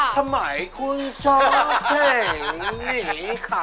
ทำไมคุณชอบอย่างนี้ค่ะ